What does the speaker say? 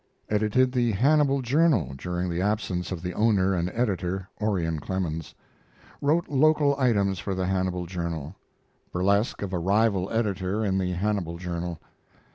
Edited the Hannibal Journal during the absence of the owner and editor, Orion Clemens. Wrote local items for the Hannibal Journal. Burlesque of a rival editor in the Hannibal Journal.